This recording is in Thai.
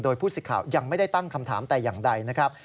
โดยผู้สิทธิ์ข่าวยังไม่ได้ตั้งคำถามแต่อย่างใดนะครับ